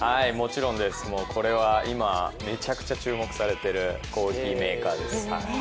これは今めちゃくちゃ注目されているコーヒーメーカーです。